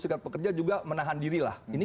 serikat pekerja juga menahan dirilah ini